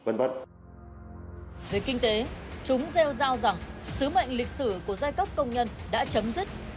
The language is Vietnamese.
về kinh tế chúng gieo giao rằng sứ mệnh lịch sử của giai cấp công nhân đã chấm dứt